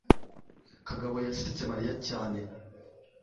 kagabo yasetse mariya cyane